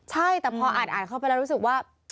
ใช่แต่พออ่านเข้าไปแล้วรู้สึกว่า